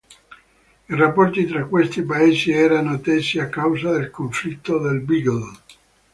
I rapporti tra questi paesi erano tesi a causa del conflitto del Beagle.